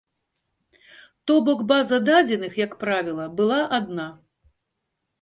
То бок база дадзеных, як правіла, была адна.